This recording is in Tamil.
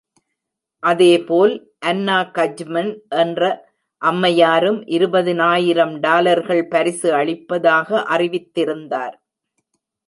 அதேபோல், அன்னா கஜ்மன் என்ற அம்மையாரும் இருபதினாயிரம் டாலர்கள் பரிசு அளிப்பதாக அறிவித்திருந்தார்.